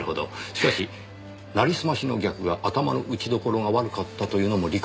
しかしなりすましの逆が頭の打ちどころが悪かったというのも理解不能ですよ。